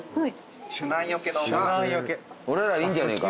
俺らいいんじゃねえか？